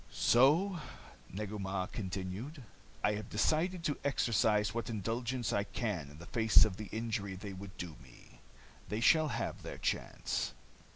"So," Negu Mah continued, "I have decided to exercise what indulgence I can in the face of the injury they would do me. They shall have their chance."